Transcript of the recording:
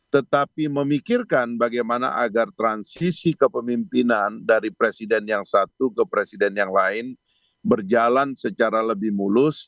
tetapi memikirkan bagaimana agar transisi kepemimpinan dari presiden yang satu ke presiden yang lain berjalan secara lebih mulus